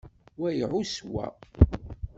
Wa iɛuss wa.